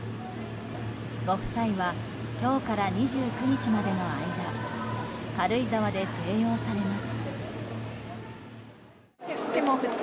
ご夫妻は今日から２９日までの間軽井沢で静養されます。